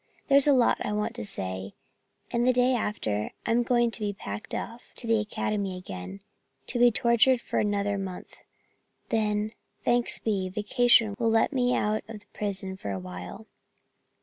There's a lot I want to say, and the day after I'm going to be packed off to the academy again to be tortured for another month; then, thanks be, vacation will let me out of that prison for a while."